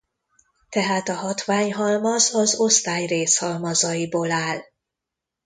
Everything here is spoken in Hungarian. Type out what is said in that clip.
Tehát a hatványhalmaz az osztály részhalmazaiból áll.